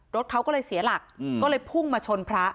รถเขาก็เลยเสียหลักก็เลยพุ่งมาชนพระ